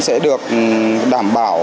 sẽ được đảm bảo